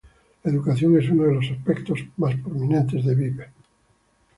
La educación es uno de los aspectos más prominentes en Beebe.